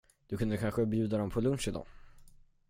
Du kunde kanske bjuda dem på lunch i dag?